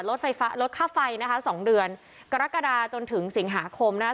ลดไฟฟ้าลดค่าไฟนะฮะสองเดือนกรกฎาจนถึงสิงหาคมน่ะ